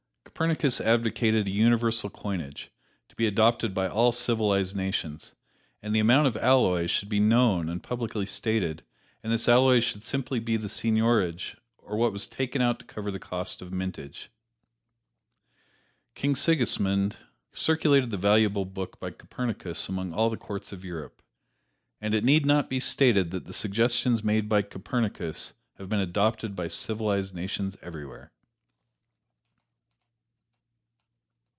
Copernicus advocated a universal coinage, to be adopted by all civilized nations, and the amount of alloy should be known and plainly stated, and this alloy should simply be the seigniorage, or what was taken out to cover the cost of mintage. King Sigismund circulated this valuable book by Copernicus among all the courts of Europe, and it need not be stated that the suggestions made by Copernicus have been adopted by civilized nations everywhere.